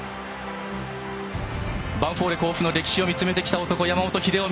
ヴァンフォーレ甲府の歴史を見つめてきた男、山本英臣